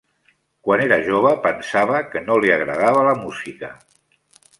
Quan era jove pensava que no li agradava la música.